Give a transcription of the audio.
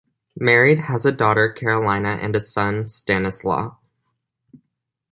Married, has a daughter Karolina, and a son Stanislaw.